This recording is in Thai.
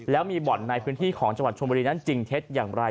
แล้วมีบ่อนในพื้นที่ของจังหวัดชมบุรีนั้นจริงเท็จอย่างไร